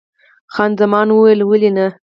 خان زمان وویل: ولې نه؟